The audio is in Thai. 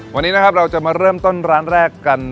วันนี้นะครับเราจะมาเริ่มต้นร้านแรกกัน